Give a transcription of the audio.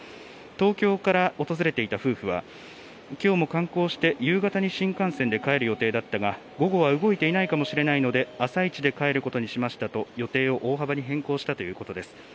東京から訪れていた夫婦は、きょうも観光して夕方に新幹線で帰る予定だったが、午後は動いていないかもしれないので、朝一で帰ることにしましたと、予定を大幅に変更したということです。